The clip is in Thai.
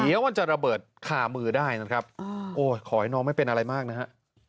เดี๋ยวมันจะระเบิดคามือได้นะครับโอ้ขอให้น้องไม่เป็นอะไรมากนะฮะ